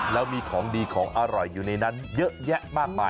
แล้วมีของดีของอร่อยอยู่ในนั้นเยอะแยะมากมาย